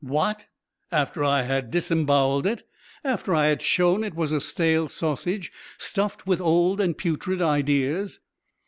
"What! After I had disembowelled it; after I had shown it was a stale sausage stuffed with old and putrid ideas?"